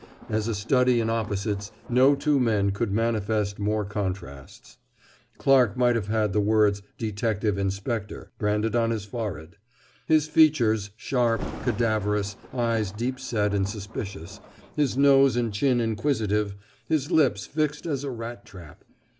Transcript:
As a study in opposites, no two men could manifest more contrasts. Clarke might have had the words "Detective Inspector" branded on his forehead: his features sharp, cadaverous, eyes deep set and suspicious, his nose and chin inquisitive, his lips fixed as a rat trap.